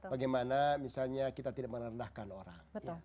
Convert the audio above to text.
bagaimana misalnya kita tidak merendahkan orang